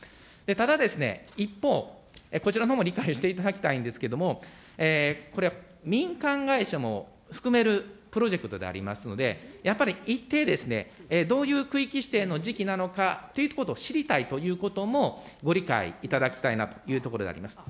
ただ、一方、こちらのほうも理解していただきたいんですけれども、これ、民間会社も含めるプロジェクトでありますので、やっぱり一定、どういう区域指定時期なのかということを知りたいということも、ご理解いただきたいなというところであります。